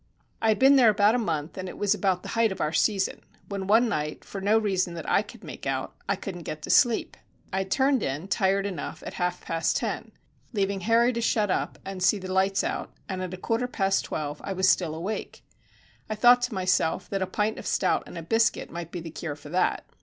I had been there about a month, and it was about the height of our season, when one night, for no reason that I could make out, I couldn't get to sleep. I had turned in, tired enough, at half past ten, leaving Harry to shut up and see the lights out, and at a quarter past twelve I was still awake. I thought to myself that a pint of stout and a biscuit might be the cure for that.